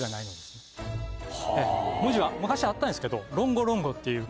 文字は昔あったんですけど。